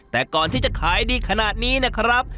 แต่ก่อนที่จะขายดีขนาดนี้นะครับ